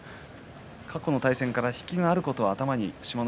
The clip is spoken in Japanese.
過去の対戦から引きがあることは志摩ノ